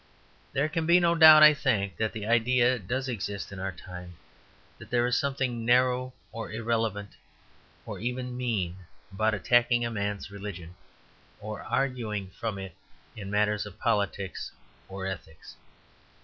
There can be no doubt, I think, that the idea does exist in our time that there is something narrow or irrelevant or even mean about attacking a man's religion, or arguing from it in matters of politics or ethics.